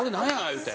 言うて。